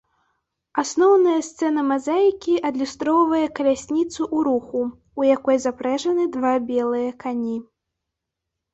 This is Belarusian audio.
Асноўная сцэна мазаікі адлюстроўвае калясніцу ў руху, у якую запрэжаны два белыя кані.